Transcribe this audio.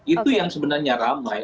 itu yang sebenarnya ramai